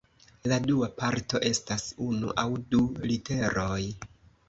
La dua parto estas unu aŭ du literoj.